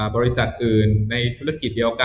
บริษัทอื่นในธุรกิจเดียวกัน